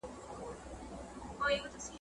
افسر وویل تا وژنم دلته ځکه `